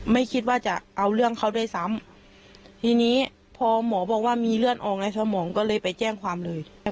ไม่คิดว่าจะเอาเรื่องเขาด้วยซ้ำทีนี้พอหมอบอกว่ามีเลือดออกในสมองก็เลยไปแจ้งความเลย